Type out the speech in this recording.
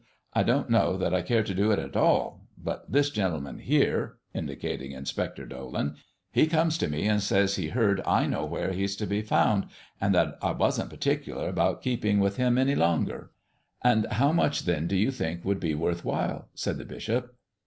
"I don't know that I care to do it at all, but this gentleman here" indicating Inspector Dolan "he comes to me and he says he heard I know where He's to be found, and that I wasn't particular about keeping with Him any longer." "And how much, then, do you think would be worth while?" said the bishop.